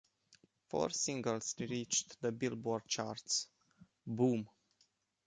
Four singles reached the "Billboard" charts; "Boom!